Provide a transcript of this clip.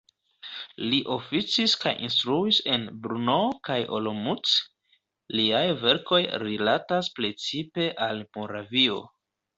Li oficis kaj instruis en Brno kaj Olomouc, liaj verkoj rilatas precipe al Moravio.